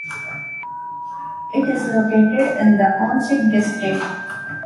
It is located in the Ahuntsic district.